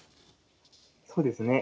そうですね。